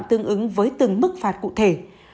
tương ứng với từng mức phạt cụ thể